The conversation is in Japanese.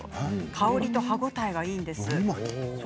香りと歯応えがいいんです。